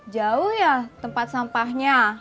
jauh ya tempat sampahnya